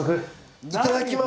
いただきます。